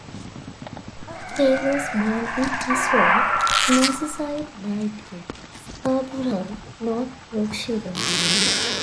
He was born in Heswall, Merseyside died in Scarborough, North Yorkshire.